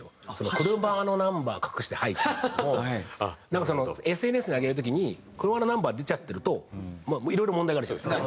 「車のナンバー隠してはいチーズ」とかもなんかそのＳＮＳに上げる時に車のナンバー出ちゃってるといろいろ問題があるじゃないですか。